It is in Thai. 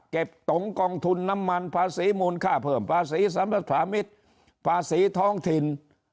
ตงกองทุนน้ำมันภาษีมูลค่าเพิ่มภาษีสัมภาษามิตรภาษีท้องถิ่น